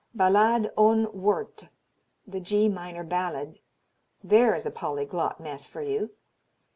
Ballade ohne Worte, the G minor Ballade there is a polyglot mess for you!